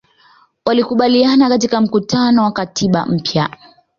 walikubaliana katika mkutano wa katiba mpya